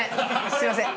すいません